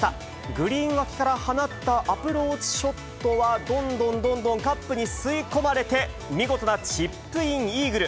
グリーン脇から放ったアプローチショットは、どんどんどんどんカップに吸い込まれて、見事なチップインイーグル。